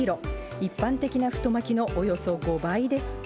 一般的な太巻きのおよそ５倍です。